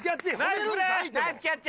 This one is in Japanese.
ナイスキャッチ！